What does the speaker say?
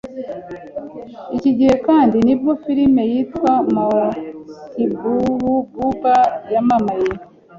iki gihe kandi nibwo filimi yitwa Mehbuba yamamaye